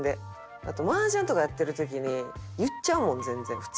あと麻雀とかやってる時に言っちゃうもん全然普通に私も。